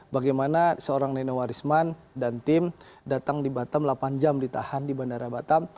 bagaimana seorang nenowarisman dan tim datang di batam delapan jam ditahan di bandara batam